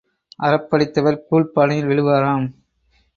அறப்படித்தவர் கூழ்ப் பானையில் விழுவாராம்.